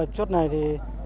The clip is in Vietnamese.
chốt này thì